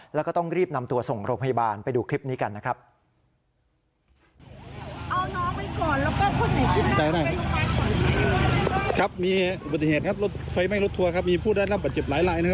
แล้วก็ต้องรีบนำตัวส่งโรงพยาบาลไปดูคลิปนี้กันนะครับ